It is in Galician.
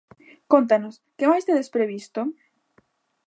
Cóntanos, que máis tedes previsto?